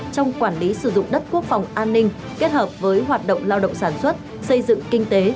trong quản lý sử dụng đất quốc phòng an ninh kết hợp với hoạt động lao động sản xuất xây dựng kinh tế